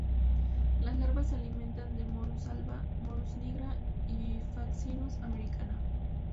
Las larvas se alimentan de "Morus alba", "Morus nigra" y "Fraxinus americana.